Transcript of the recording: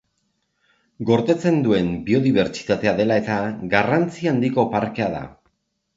Gordetzen duen biodibertsitatea dela eta, garrantzi handiko parkea da.